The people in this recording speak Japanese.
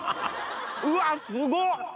うわすごっ！